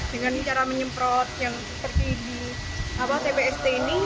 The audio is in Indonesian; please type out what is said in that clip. dengan cara menyemprot yang seperti di tpst ini